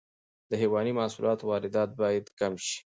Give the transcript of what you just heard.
د حیواني محصولاتو واردات باید کم شي.